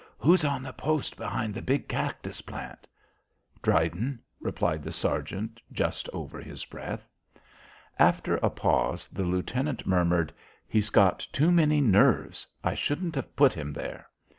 "Who's on post behind the big cactus plant?" "Dryden," rejoined the sergeant just over his breath. After a pause the lieutenant murmured: "He's got too many nerves. I shouldn't have put him there."